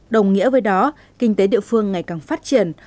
đồng nghĩa với đó kinh tế địa phương ngày càng phát triển